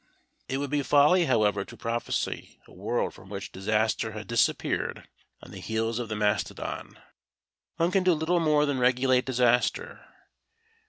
It would be folly however to prophesy a world from which disaster has disappeared on the heels of the mastodon. One can do little more than regulate disaster.